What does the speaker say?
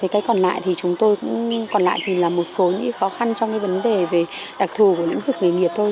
cái còn lại thì chúng tôi cũng là một số những khó khăn trong vấn đề đặc thù của lĩnh vực nghề nghiệp thôi